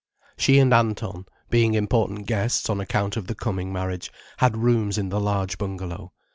She and Anton, being important guests on account of the coming marriage, had rooms in the large bungalow.